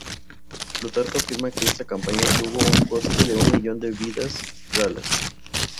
Plutarco afirma que esta campaña tuvo un coste de un millón de vidas galas.